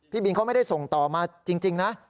บินเขาไม่ได้ส่งต่อมาจริงนะ